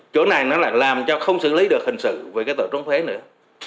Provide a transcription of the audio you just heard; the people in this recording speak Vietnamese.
chỗ này nó là làm cho không xử lý được hình sự về cái tội trốn thuế nữa